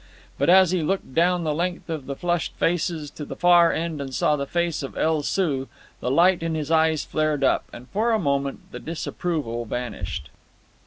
But as he looked down the length of flushed faces to the far end and saw the face of El Soo, the light in his eyes flared up, and for a moment the disapproval vanished.